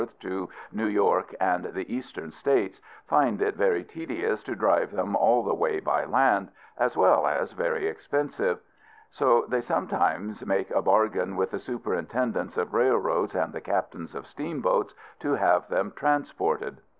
to New York and the Eastern States, find it very tedious to drive them all the way by land, as well as very expensive; so they sometimes make a bargain with the superintendents of railroads and the captains of steamboats to have them transported.